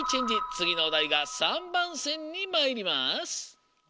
つぎのおだいが３ばんせんにまいります。